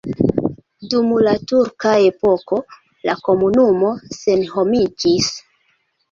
Dum la turka epoko la komunumo senhomiĝis.